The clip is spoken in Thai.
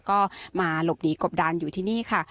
ก็มาหลบหนีกบดานอยู่ที่นี่ค่ะ